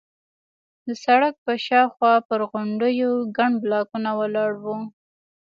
د سړک پر شاوخوا پر غونډیو ګڼ بلاکونه ولاړ وو.